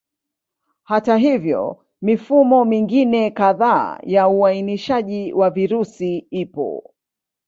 Hata hivyo, mifumo mingine kadhaa ya uainishaji wa virusi ipo.